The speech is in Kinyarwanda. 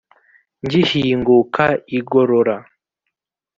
ngihinguka i gorora